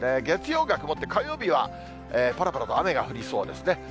月曜が曇って、火曜日はぱらぱらと雨が降りそうですね。